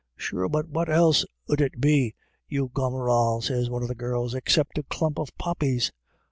'Sure what else 'ud it be, you gomeral,' sez one of the girls, ' excipt a clump of poppies?'